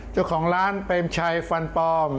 เจ้าของร้านเปรมชัยฟันปลอม